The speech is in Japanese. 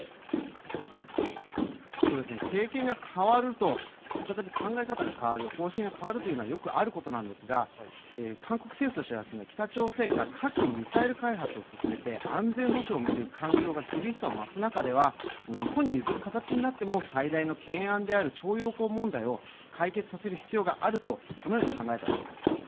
政権が代わると再び考え方が変わる、方針が変わるということはよくあることなんですが韓国政府としては北朝鮮が核・ミサイル開発を進めて安全保障を巡る環境が厳しさを増す中では日本に穣る形になっても最大の懸案である徴用工問題を解決させる必要があると考えたわけです。